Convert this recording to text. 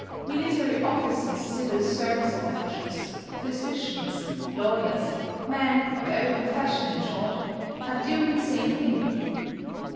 Military officers, civil service officials, physicians, lawyers, men of every profession, in short, are doing the same thing.